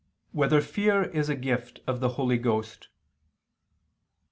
9] Whether Fear Is a Gift of the Holy Ghost?